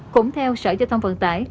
cũng theo sở giao thông vận tải